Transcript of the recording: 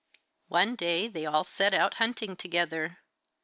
One day they all set out hunting together.